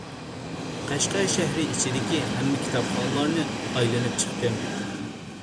قەشقەر شەھىرى ئىچىدىكى ھەممە كىتابخانىلارنى ئايلىنىپ چىقتىم.